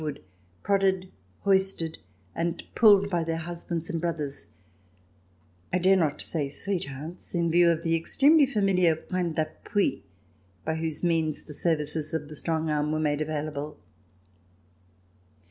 vi wood, prodded, hoisted and pulled by their husbands and brothers — I dare not say sweethearts, in view of the extremely familiar points dappui by whose means the services of the strong arm were made available.